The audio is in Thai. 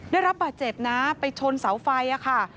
ได้รับบาดเจ็บนะไปชนเสาไฟค่ะ